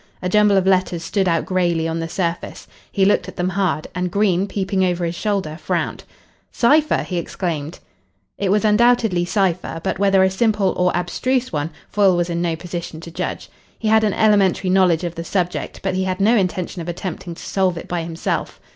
A jumble of letters stood out greyly on the surface. He looked at them hard, and Green, peeping over his shoulder, frowned. "Cipher!" he exclaimed. It was undoubtedly cipher, but whether a simple or abstruse one Foyle was in no position to judge. He had an elementary knowledge of the subject, but he had no intention of attempting to solve it by himself.